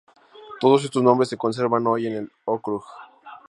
Todos estos nombres se conservan hoy en el "ókrug".